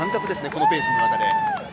このペースの中で。